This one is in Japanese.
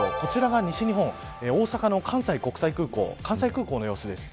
こちらが西日本大阪の関西国際空港関西空港の様子です。